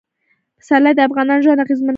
پسرلی د افغانانو ژوند اغېزمن کوي.